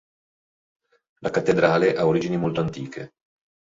La cattedrale ha origini molto antiche.